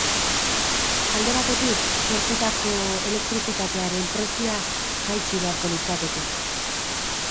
Alde batetik, sortutako elektrizitatearen prezioa jaitsi beharko litzateke.